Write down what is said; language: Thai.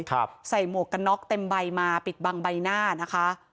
ใส่หมวกกันน็อกเต็มใบมาปิดบังใบหน้านะคะ